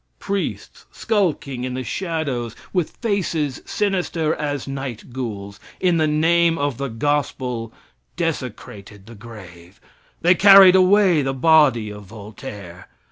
Priests, skulking in the shadows, with faces sinister as night ghouls in the name of the gospel, desecrated the gave. They carried away the body of Voltaire.